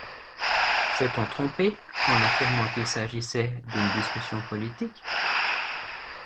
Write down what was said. S’est-on trompé en affirmant qu’il s’agissait d’une discussion politique?